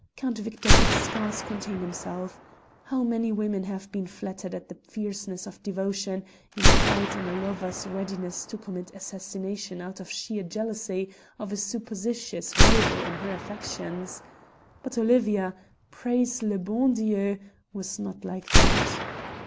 Count Victor could scarce contain himself. How many women would have been flattered at the fierceness of devotion implied in a lover's readiness to commit assassination out of sheer jealousy of a supposititious rival in her affections? But Olivia praise le bon Dieu! was not like that.